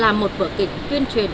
là một vợ kịch tuyên truyền